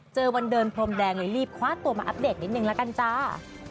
เจอวันเดินพรมแดงเลยรีบคว้าตัวมาอัปเดตนิดนึงละกันจ้า